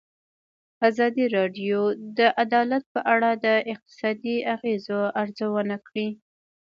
ازادي راډیو د عدالت په اړه د اقتصادي اغېزو ارزونه کړې.